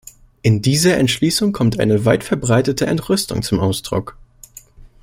In dieser Entschließung kommt eine weitverbreitete Entrüstung zum Ausdruck.